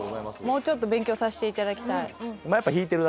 もうちょっと勉強させていただきたい